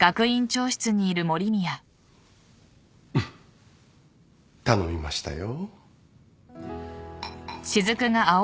ウフッ頼みましたよ。